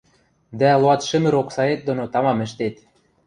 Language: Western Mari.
дӓ луатшӹмур оксаэт доно тамам ӹштет.